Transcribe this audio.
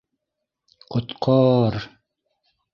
Ҡот-ҡа-ар!